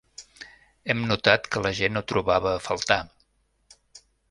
Hem notat que la gent ho trobava a faltar.